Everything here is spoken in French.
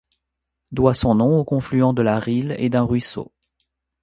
Doit son nom au confluent de la Risle et d'un ruisseau.